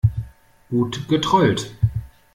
Gut getrollt.